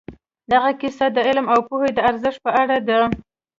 دغه کیسه د علم او پوهې د ارزښت په اړه ده.